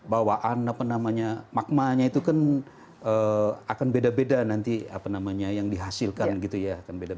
bawaan apa namanya magmanya itu kan akan beda beda nanti apa namanya yang dihasilkan gitu ya akan beda